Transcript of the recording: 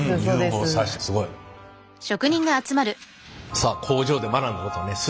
さあ工場で学んだことをねす